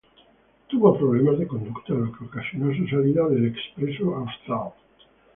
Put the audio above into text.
Tuvo problemas de conducta lo que ocasionó su salida del "Expreso Austral".